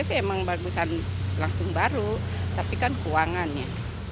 memang barusan langsung baru tapi kan uangannya